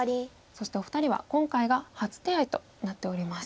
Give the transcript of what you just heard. そしてお二人は今回が初手合となっております。